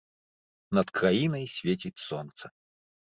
Над краінай свеціць сонца.